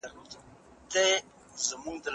د نورو سپکاوی ملي ګټه نه ده